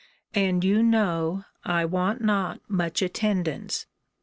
And you know I want not much attendance.